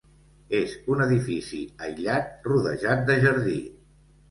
És un edifici aïllat, rodejat de jardí.